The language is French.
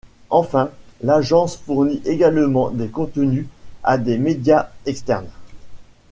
Enfin, l'agence fournit également des contenus à des médias externes.